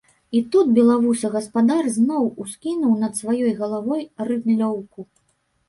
І тут белавусы гаспадар зноў ускінуў над сваёй галавой рыдлёўку.